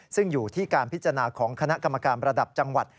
ซึ่งอยู่ที่การพิจารณาของคณะกรรมการระดับจังหวัด